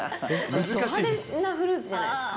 ド派手なフルーツじゃないですか。